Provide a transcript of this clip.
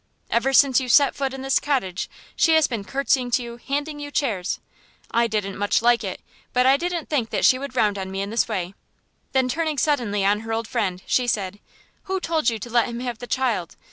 Ever since you set foot in this cottage she has been curtseying to you, handing you chairs. I didn't much like it, but I didn't think that she would round on me in this way." Then turning suddenly on her old friend, she said, "Who told you to let him have the child?...